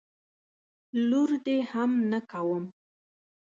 لور دي هم نه کوم.